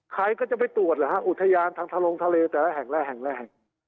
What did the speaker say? ใครก็จะไปจรวดหรอครับอุทยานทางทะลงทะเลแต่แร่แห่งแร่แห่ง